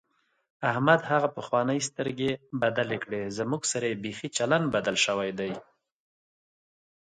احمد هغه پخوانۍ سترګې بدلې کړې، زموږ سره یې بیخي چلند بدل شوی دی.